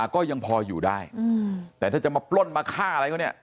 ก็ยังพออยู่ได้แต่ถ้าจะมาปล้นมาฆ่าอะไรเขาเนี่ย